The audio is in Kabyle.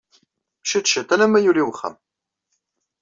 Ciṭ ciṭ alamma yuli wexxam.